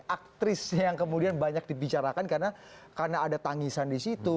aktris yang kemudian banyak dibicarakan karena ada tangisan di situ